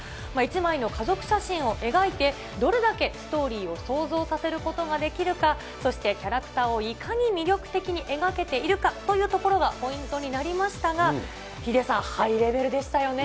１枚の家族写真を描いて、どれだけストーリーを想像させることができるか、そしてキャラクターをいかに魅力的に描けているかというところがポイントになりましたが、ヒデさん、ハイレベルでしたよね。